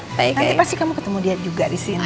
nanti pasti kamu ketemu dia juga di sini